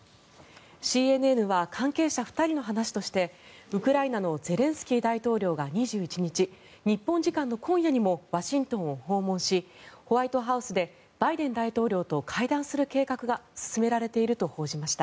ＣＮＮは関係者２人の話としてウクライナのゼレンスキー大統領が２１日日本時間の今夜にもワシントンを訪問しホワイトハウスでバイデン大統領と会談する計画が進められていると報じられました。